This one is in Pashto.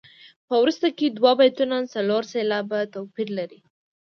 په وروسته کې دوه بیتونه څلور سېلابه توپیر لري.